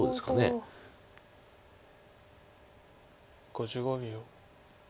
５５秒。